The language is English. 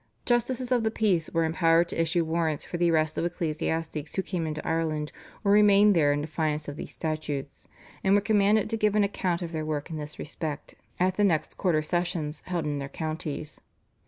Justices of the peace were empowered to issue warrants for the arrest of ecclesiastics who came into Ireland, or remained there in defiance of these statutes, and were commanded to give an account of their work in this respect at the next quarter sessions held in their counties.